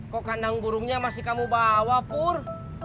kok kandang burungnya masih kamu bawa pur